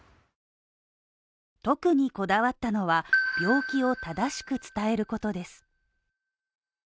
特にこだわったのは、病気を正しく伝えることです。